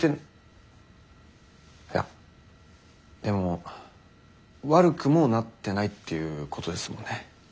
いやでも悪くもなってないっていうことですもんね。